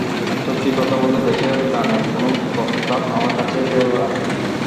সত্যি কথা বলতে, দেশের গানের কোনো প্রস্তাব আমার কাছে সেভাবে আসেনি।